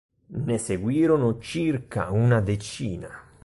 Ne seguirono circa una decina.